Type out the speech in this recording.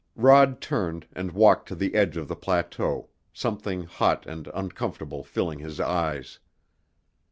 Rod turned and walked to the edge of the plateau, something hot and uncomfortable filling his eyes.